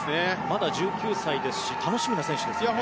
まだ１９歳ですし楽しみな選手ですね。